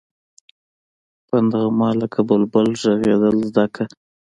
په نغمه لکه بلبل غږېدل زده کړه.